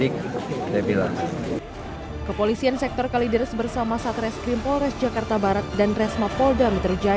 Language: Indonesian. kepolisian sektor kaliders bersama satreskrim polres jakarta barat dan resma poldang terjaya